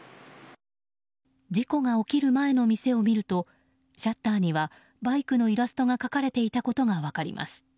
事故が起きる前の店を見るとシャッターにはバイクのイラストが描かれていたことが分かります。